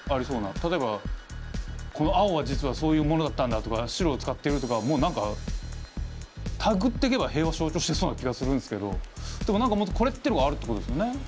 例えばこの青は実はそういうものだったんだとか白を使ってるとかもう何か手繰ってけば平和象徴してそうな気がするんすけどでも何かもっとこれってのがあるってことですよね？